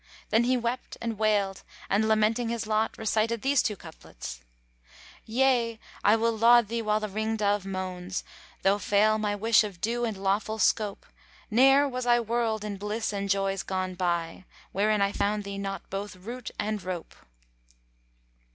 Then he wept and wailed and lamenting his lot recited these two couplets, "Yea, I will laud thee while the ring dove moans, * Though fail my wish of due and lawful scope: Ne'er was I whirled in bliss and joys gone by * Wherein I found thee not both root and rope."